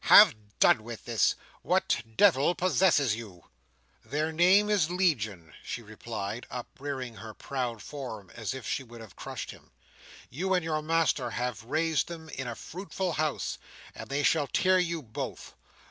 Have done with this! What devil possesses you?" "Their name is Legion," she replied, uprearing her proud form as if she would have crushed him; "you and your master have raised them in a fruitful house, and they shall tear you both.